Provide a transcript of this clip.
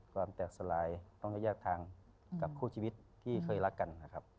ความแตกสลายต้องให้แยกทางกับคู่ชีวิตที่เคยรักกันนะครับ